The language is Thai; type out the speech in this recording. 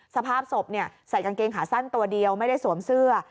สภาพศพใส่กางเกงขาสั้นตัวเดียวไม่ได้สวมเสื้อ